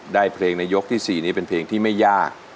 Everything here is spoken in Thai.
เพลงในยกที่๔นี้เป็นเพลงที่ไม่ยาก